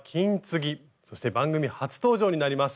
そして番組初登場になります